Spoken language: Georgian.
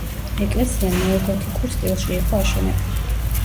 ეკლესია ნეოგოთიკურ სტილში იყო აშენებული.